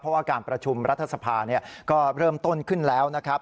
เพราะว่าการประชุมรัฐสภาก็เริ่มต้นขึ้นแล้วนะครับ